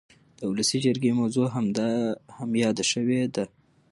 د ولسي جرګې موضوع هم یاده شوې ده.